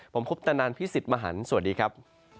ผมคุปตะนันพี่สิทธิ์มหันฯสวัสดีครับ